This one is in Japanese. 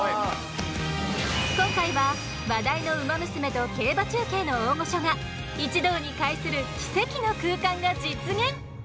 今回は話題の「ウマ娘」と競馬中継の大御所が一堂に会する奇跡の空間が実現。